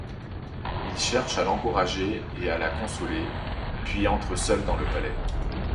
Il cherche à l’encourager et à la consoler, puis entre seul dans le palais.